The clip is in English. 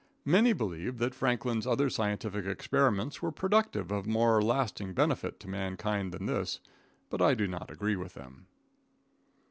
] Many believe that Franklin's other scientific experiments were productive of more lasting benefit to mankind than this, but I do not agree with them.